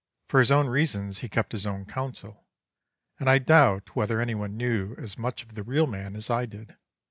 For his own reasons he kept his own counsel, and I doubt whether any one knew as much of the real man as I did.